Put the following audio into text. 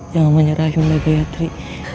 jangan menyerah yunda gayatri